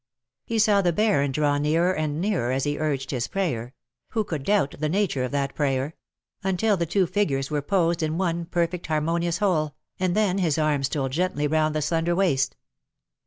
He saw the Baron draw nearer and nearer as he urged his prayer — who could doubt the nature of that prayer — until the two figures were posed in one perfect harmonious whole, and then his arm stole gently round the slender waist.